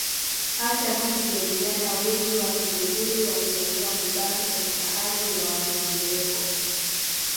Hata hivyo vijana wengi wa Kiluguru waliamua kubaki katika ardhi ya Wandengereko